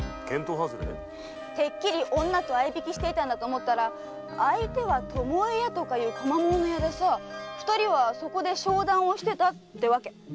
てっきり女と逢い引きしていたんだと思ったら相手は「巴屋」とかいう小間物屋で二人は商談をしてたってわけ。